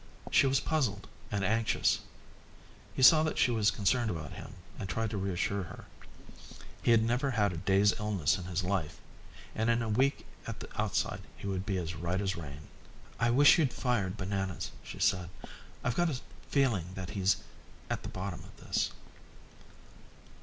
She was puzzled and anxious. He saw that she was concerned about him and tried to reassure her. He had never had a day's illness in his life and in a week at the outside he would be as right as rain. "I wish you'd fired Bananas," she said. "I've got a feeling that he's at the bottom of this."